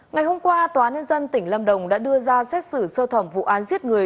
ngày hôm qua tòa nhân dân tỉnh lâm đồng đã đưa ra xét xử sơ thẩm vụ án giết người